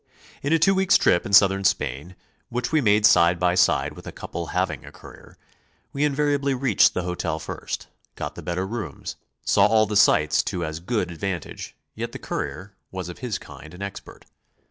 In a two weeks* trip in Southern Spain, which we made side by side with a couple having a courier, we invariably reached the hotel first, got the better rooms, saw all the sights to as good advantage; yet the courier was of his kind an expert.